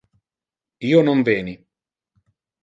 Io non veni.